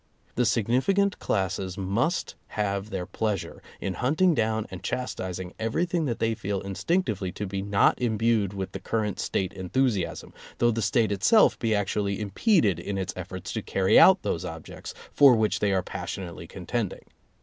The significant classes must have their pleasure in hunting down and chastizing everything that they feel instinctively to be not imbued with the current State enthusiasm, though the State itself be actually impeded in its efforts to carry out those objects for which they are passionately contending.